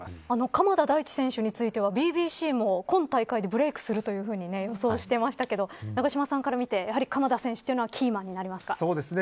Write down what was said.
鎌田大地選手についてはＢＢＣも今大会でブレークするというふうに予想してましたけど永島さんから見て、やはり鎌田選手はキーマンになりますか。